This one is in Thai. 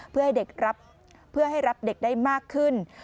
เพื่อให้รับเด็กได้มากขึ้น